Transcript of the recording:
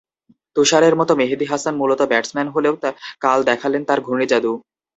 তুষারের মতো মেহেদী হাসান মূলত ব্যাটসম্যান হলেও কাল দেখালেন তাঁর ঘূর্ণিজাদু।